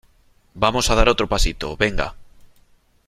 vamos a dar otro pasito , venga .